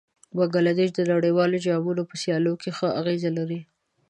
بنګله دېش د نړیوالو جامونو په سیالیو کې ښه اغېز لري.